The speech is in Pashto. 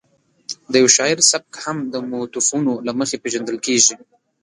د یو شاعر سبک هم د موتیفونو له مخې پېژندل کېږي.